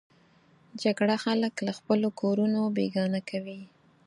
جګړه خلک له خپلو کورونو بېګانه کوي